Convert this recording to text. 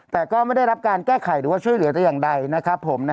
แต่ก็ไม่ได้รับการแก้ไขหรือว่าช่วยเหลือแต่อย่างใดนะครับผม